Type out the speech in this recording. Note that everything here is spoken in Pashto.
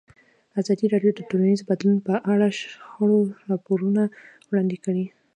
ازادي راډیو د ټولنیز بدلون په اړه د شخړو راپورونه وړاندې کړي.